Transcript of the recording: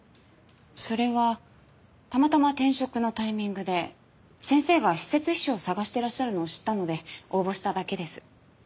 それはたまたま転職のタイミングで先生が私設秘書を探してらっしゃるのを知ったので応募しただけです。